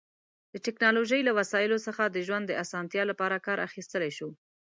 د ټیکنالوژی له وسایلو څخه د ژوند د اسانتیا لپاره کار اخیستلی شو